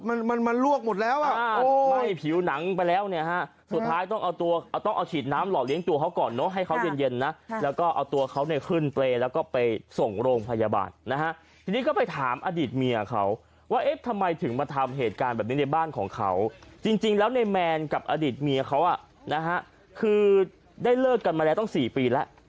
มันมันลวกหมดแล้วอ่ะไหม้ผิวหนังไปแล้วเนี่ยฮะสุดท้ายต้องเอาตัวเอาต้องเอาฉีดน้ำหล่อเลี้ยงตัวเขาก่อนเนอะให้เขาเย็นเย็นนะแล้วก็เอาตัวเขาเนี่ยขึ้นเปรย์แล้วก็ไปส่งโรงพยาบาลนะฮะทีนี้ก็ไปถามอดีตเมียเขาว่าเอ๊ะทำไมถึงมาทำเหตุการณ์แบบนี้ในบ้านของเขาจริงจริงแล้วในแมนกับอดีตเมียเขาอ่ะนะฮะคือได้เลิกกันมาแล้วต้องสี่ปีแล้ว